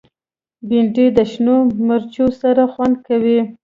بېنډۍ د شنو مرچو سره خوند کوي